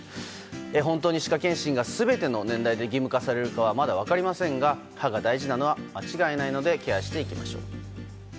本当に歯科検診が全ての年代で義務化されるかはまだ分かりませんが歯が大事なのは間違いないのでケアしていきましょう。